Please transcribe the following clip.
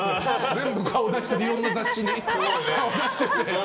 全部いろんな雑誌に顔出してて。